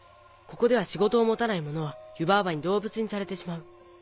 ここでは仕事を持たない者は湯婆婆に動物にされてしまう。